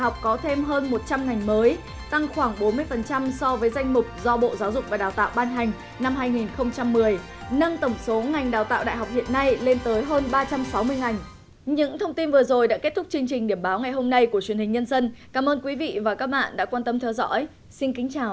cảm ơn các bạn đã theo dõi